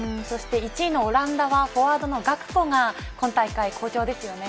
１位のオランダはフォワードのガクポが今大会、好評ですよね。